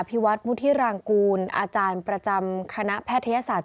พิวัฒน์วุฒิรางกูลอาจารย์ประจำคณะแพทยศาสต